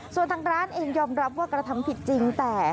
ส่วนทางร้านเองยอมรับว่ากระทำผิดจริงแต่